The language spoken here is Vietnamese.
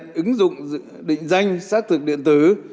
để ứng dụng định danh xác thực điện tử